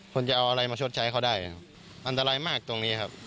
คุณจะเอาอะไรมาชดใช้เขาได้ครับอันตรายมากตรงนี้ครับ